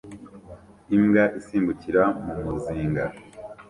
Imbwa isimbukira mu muzinga